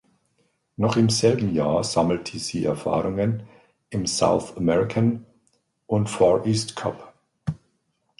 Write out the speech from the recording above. Noch im selben Jahr sammelte sie Erfahrungen im South American und Far East Cup.